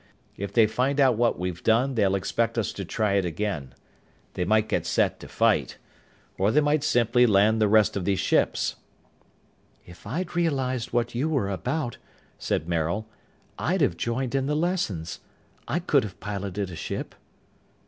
If they find out what we've done they'll expect us to try it again. They might get set to fight. Or they might simply land the rest of these ships." "If I'd realized what you were about," said Maril, "I'd have joined in the lessons. I could have piloted a ship."